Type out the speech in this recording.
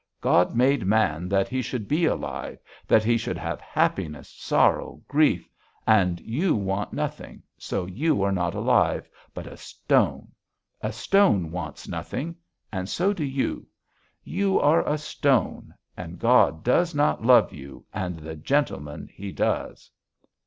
God made man that he should be alive, that he should have happiness, sorrow, grief, and you want nothing, so you are not alive, but a stone! A stone wants nothing and so do you.... You are a stone and God does not love you and the gentleman he does."